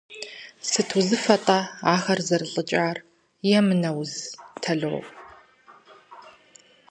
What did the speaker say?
Сыт узыфэ-тӀэ ахэр зэрылӀыкӀар, – емынэ уз, тало?